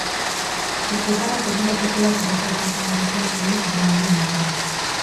Bizkaitarrak ez dira sekula porrot bakarrarekin heldu jardunaldi honetara.